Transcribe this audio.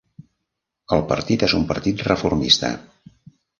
El partit és un partit reformista.